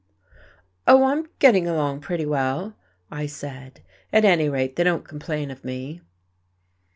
"Oh, I'm getting along pretty well," I said. "At any rate, they don't complain of me."